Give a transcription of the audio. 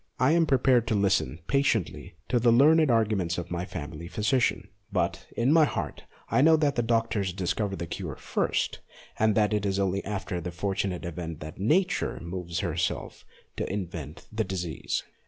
I am prepared to listen patiently to the learned arguments of my family phy sician, but in my heart I know that the doctors discover the cure first, and that it is only after that fortunate event that Nature moves herself to invent the disease.